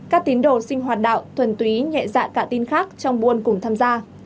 các tín đồ sinh hoạt đạo thuần túy nhẹ dạ cả tin khác trong buôn cùng tham gia